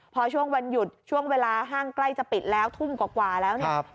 พอช่วงวันหยุดช่วงเวลาห้างใกล้จะปิดแล้วทุ่มกว่าแล้วเนี่ย